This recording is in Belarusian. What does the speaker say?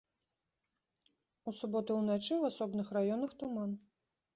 У суботу ўначы ў асобных раёнах туман.